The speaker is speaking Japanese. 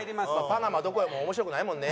「パナマどこよ！？」も面白くないもんね。